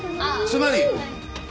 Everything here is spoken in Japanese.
つまり。